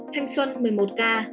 thanh xuân một mươi một ca